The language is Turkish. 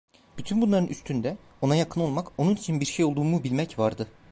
Bütün bunların üstünde, ona yakın olmak, onun için bir şey olduğumu bilmek vardı.